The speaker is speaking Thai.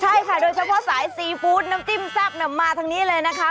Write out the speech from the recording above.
ใช่ค่ะโดยเฉพาะสายซีฟู้ดน้ำจิ้มแซ่บมาทางนี้เลยนะคะ